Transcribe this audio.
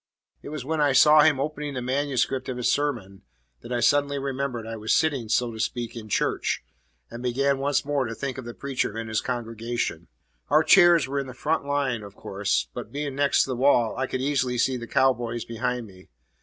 It was when I saw him opening the manuscript of his sermon that I suddenly remembered I was sitting, so to speak, in church, and began once more to think of the preacher and his congregation. Our chairs were in the front line, of course; but, being next the wall, I could easily see the cow boys behind me.